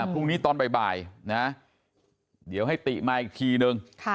พรุ่งนี้ตอนบ่ายนะเดี๋ยวให้ติมาอีกทีนึง